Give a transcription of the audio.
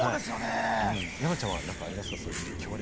山ちゃんは何かあります？